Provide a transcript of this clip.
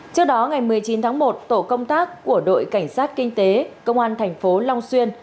trước đó ngày một mươi chín tháng một tổ công tác của đội cảnh sát kinh tế công an thành phố long xuyên